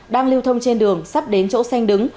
đang lưu thông trên đường sắp đến chỗ xanh đứng